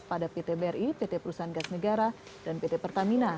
pada pt bri pt perusahaan gas negara dan pt pertamina